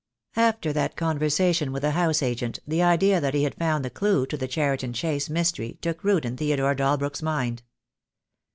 After that conversation with the house agent, the idea that he had found the clue to the Cheriton Chase mystery took root in Theodore Dalbrook's mind.